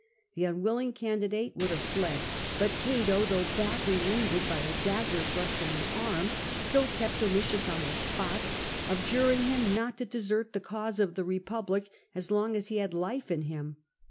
The un willing candidate would have fled, but Cato, though badly wounded by a dagger thrust in the arm, ''still kept Domitius on the spot, adjuring him not to desert the cause of the Eepublic as long as he had life in him."